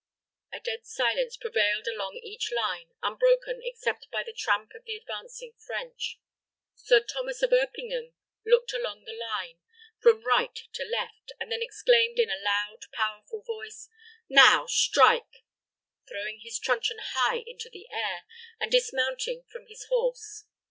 A dead silence prevailed along each line, unbroken except by the tramp of the advancing French. Sir Thomas of Erpingham looked along the line, from right to left, and then exclaimed, in a loud, powerful voice, "Now strike!" throwing his truncheon high into the air, and dismounting from his horse.